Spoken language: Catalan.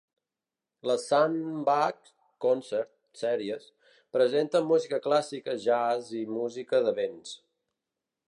Les Sandbach Concert Series presenten música clàssica, jazz i música de vents.